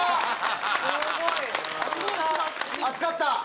熱かった？